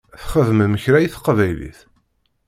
Txedmem kra i teqbaylit?